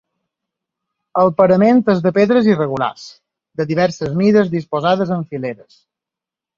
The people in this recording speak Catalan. El parament és de pedres irregulars, de diverses mides disposades en fileres.